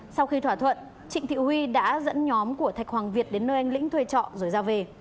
sau khi thỏa thuận trịnh thị huy đã dẫn nhóm của thạch hoàng việt đến nơi anh lĩnh thuê trọ rồi ra về